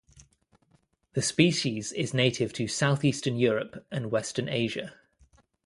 The species is native to southeastern Europe and western Asia.